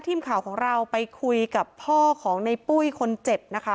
ทีมข่าวของเราไปคุยกับพ่อของในปุ้ยคนเจ็บนะคะ